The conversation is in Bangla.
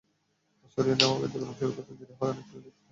সরিয়ে নেওয়ার কার্যক্রম শুরু করতে দেরি হওয়ায় অনেকে বিক্ষুব্ধ হয়ে ওঠেন।